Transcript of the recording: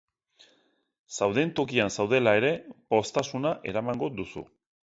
Zauden tokian zaudela ere, poztasuna eramango duzu.